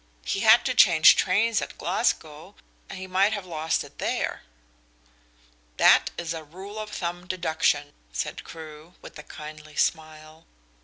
"He had to change trains at Glasgow he might have lost it there." "That is a rule of thumb deduction," said Crewe, with a kindly smile.